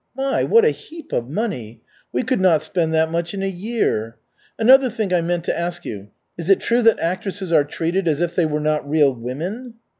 "My, what a heap of money! We could not spend that much in a year. Another thing I meant to ask you, is it true that actresses are treated as if they were not real women?"